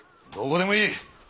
どこでもいい。